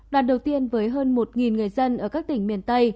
lần đầu tiên với hơn một người dân ở các tỉnh miền tây